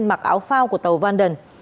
mặc áo phao của tàu vanden